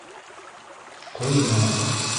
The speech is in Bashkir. Ҡоймаҡ